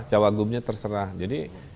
cawagumnya terserah jadi